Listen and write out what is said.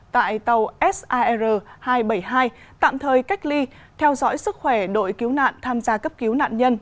tại tàu sar hai trăm bảy mươi hai tạm thời cách ly theo dõi sức khỏe đội cứu nạn tham gia cấp cứu nạn nhân